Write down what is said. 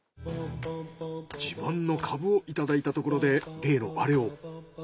自慢のかぶをいただいたところで例のアレを。